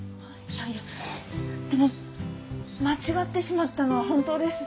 いやいやでも間違ってしまったのは本当です。